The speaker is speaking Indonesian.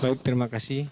baik terima kasih